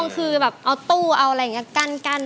คือแบบเอาตู้เอาอะไรอย่างนี้กั้น